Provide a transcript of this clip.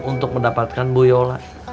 untuk mendapatkan bu yola